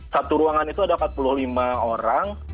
satu ruangan itu ada empat puluh lima orang